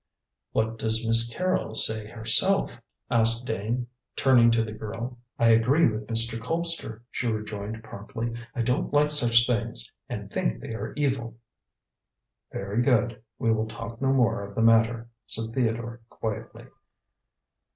"What does Miss Carrol say herself?" asked Dane, turning to the girl. "I agree with Mr. Colpster," she rejoined promptly. "I don't like such things, and think they are evil." "Very good. We will talk no more of the matter," said Theodore quietly.